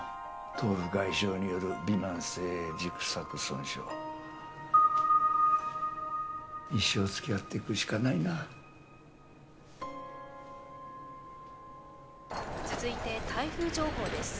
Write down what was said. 頭部外傷によるびまん性軸索損傷一生付き合っていくしかないな続いて台風情報です